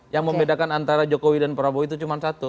yang membedakan antara jokowi dan prabowo itu cuma satu